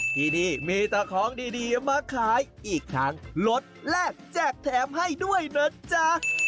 ที่นี่มีแต่ของดีมาขายอีกทั้งลดแลกแจกแถมให้ด้วยนะจ๊ะ